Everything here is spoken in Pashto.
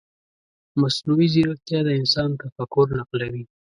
مصنوعي ځیرکتیا د انسان تفکر نقلوي.